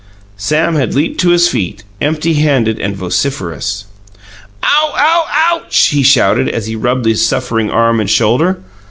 Sam had leaped to his feet, empty handed and vociferous. "Ow ow, OUCH!" he shouted, as he rubbed his suffering arm and shoulder.